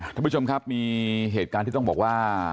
ท่านผู้ชมครับมีเหตุการณ์ที่ต้องบอกว่า